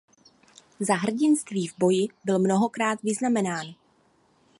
Za hrdinství v boji byl mnohokrát vyznamenán.